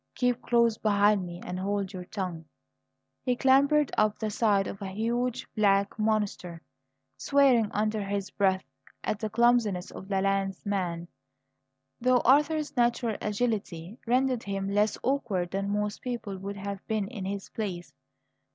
"Keep close behind me and hold your tongue." He clambered up the side of a huge black monster, swearing under his breath at the clumsiness of the landsman, though Arthur's natural agility rendered him less awkward than most people would have been in his place.